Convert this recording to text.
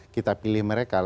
kita pilih mereka